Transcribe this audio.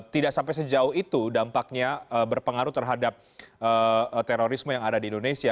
tidak sampai sejauh itu dampaknya berpengaruh terhadap terorisme yang ada di indonesia